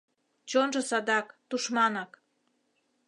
Чонжо садак — тушманак!